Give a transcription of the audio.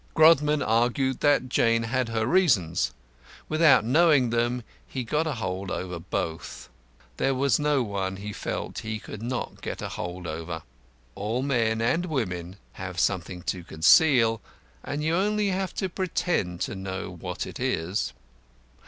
Grodman argued that Jane had her reasons. Without knowing them, he got a hold over both. There was no one, he felt, he could not get a hold over. All men and women have something to conceal, and you have only to pretend to know what it is.